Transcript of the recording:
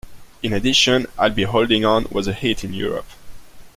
In addition, "I'll Be Holding On" was a hit in Europe.